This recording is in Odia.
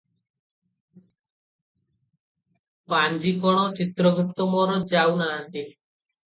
ପାଞ୍ଜିକଣ ଚିତ୍ରଗୁପ୍ତ ମୋର ଯାଉ ନାହାନ୍ତି?